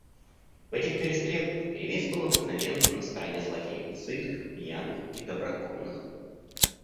В этих перестрелках перевес был обыкновенно на стороне злодеев, сытых, пьяных и доброконных.